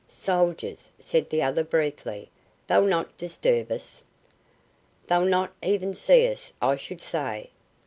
"Soldiers," said the other briefly. "They'll not disturb us." "They'll not even see us, I should say.